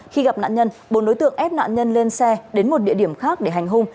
khi gặp nạn nhân bốn đối tượng ép nạn nhân lên xe đến một địa điểm khác để hành hung